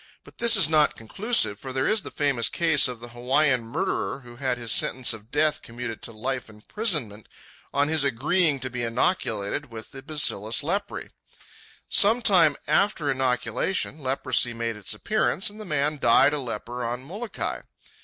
But this is not conclusive, for there is the famous case of the Hawaiian murderer who had his sentence of death commuted to life imprisonment on his agreeing to be inoculated with the bacillus lepræ. Some time after inoculation, leprosy made its appearance, and the man died a leper on Molokai.